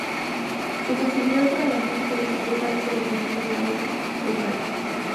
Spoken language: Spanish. Su facilidad para la música le sirvió para ser admitido en la orquesta local.